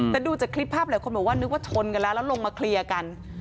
แต่ดูจากคลิปภาพหลายคนบอกว่านึกว่าชนกันแล้วแล้วลงมาเคลียร์กัน